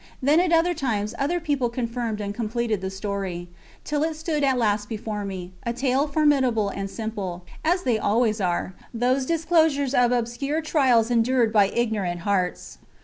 Then at other times other people confirmed and completed the story: till it stood at last before me, a tale formidable and simple, as they always are, those disclosures of obscure trials endured by ignorant hearts.